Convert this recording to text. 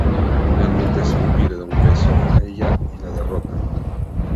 Finalmente, Snoopy le da un beso a ella y la derrota.